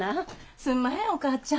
すんまへんお母ちゃん。